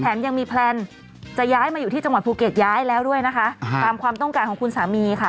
ยังมีแพลนจะย้ายมาอยู่ที่จังหวัดภูเก็ตย้ายแล้วด้วยนะคะตามความต้องการของคุณสามีค่ะ